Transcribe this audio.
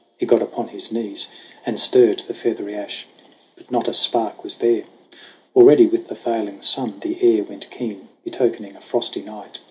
He got upon his knees and stirred The feathery ash ; but not a spark was there. Already with the failing sun the air Went keen, betokening a frosty night.